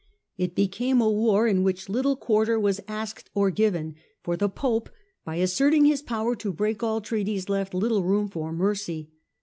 It became a war in which little quarter was asked or given, for the Pope, by asserting his power to break all treaties, left little room for mercy.